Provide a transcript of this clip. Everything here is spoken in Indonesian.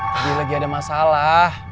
tadi lagi ada masalah